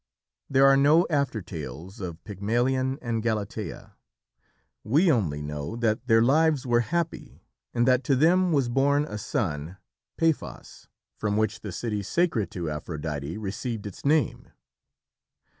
There are no after tales of Pygmalion and Galatea. We only know that their lives were happy and that to them was born a son, Paphos, from whom the city sacred to Aphrodite received its name.